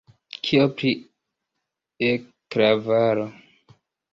Kio pri E-klavaro?